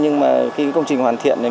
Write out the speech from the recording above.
nhưng mà cái công trình hoàn thiện này